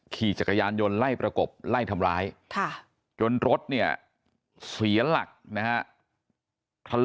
ขี่จักรยานยนต์ไล่ประกบไล่ทำร้ายจนรถเนี่ยเสียหลักนะฮะ